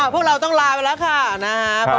พวกเราต้องลาไปแล้วค่ะนะครับ